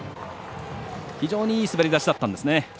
非常にいい滑り出しだったんですね。